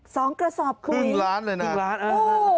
สองกระสอบปุ๋ยขึ้นล้านเลยนะขึ้นล้านโอ้โห